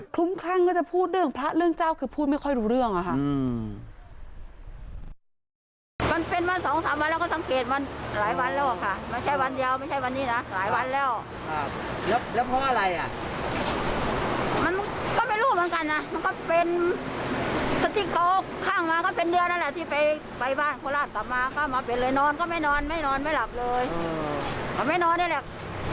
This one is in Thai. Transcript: ลุ้มคลั่งก็จะพูดเรื่องพระเรื่องเจ้าคือพูดไม่ค่อยรู้เรื่องอะค่ะ